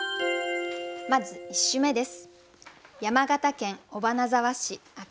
まず１首目です。